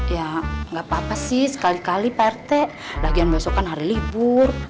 ya gak apa apa sih sekali kali pak rete lagi lagi besok kan hari libur